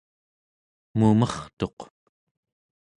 mumertuq